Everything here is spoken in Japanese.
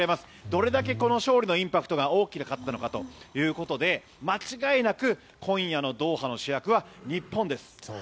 どれだけこの勝利のインパクトが大きかったのかということで間違いなく今夜のドーハの主役は日本です。